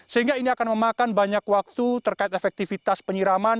sehingga ini akan memakan banyak waktu terkait efektivitas penyiraman